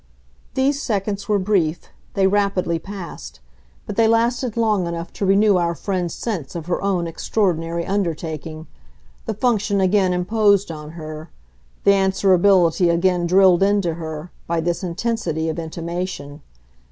These seconds were brief they rapidly passed; but they lasted long enough to renew our friend's sense of her own extraordinary undertaking, the function again imposed on her, the answerability again drilled into her, by this intensity of intimation.